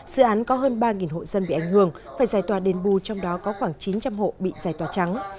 dự án có hơn ba hộ dân bị ảnh hưởng phải giải tòa đền bù trong đó có khoảng chín trăm linh hộ bị giải tòa trắng